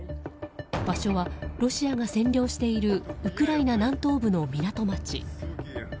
場所はロシアが占領しているウクライナ南東部の港町。